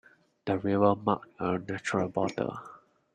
The river marked a natural border.